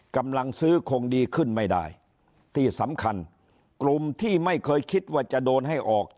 กำลังซื้อคงดีขึ้นไม่ได้ที่สำคัญกลุ่มที่ไม่เคยคิดว่าจะโดนให้ออก